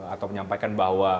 atau menyampaikan bahwa